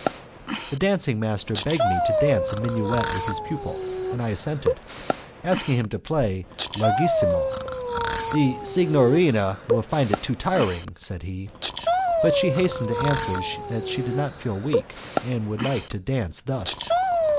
The dancing master begged me to dance a minuet with his pupil, and I assented, asking him to play larghissimo. "The signorina would find it too tiring," said he; but she hastened to answer that she did not feel weak, and would like to dance thus.